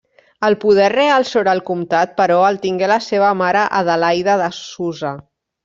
El poder real sobre el comtat, però, el tingué la seva mare Adelaida de Susa.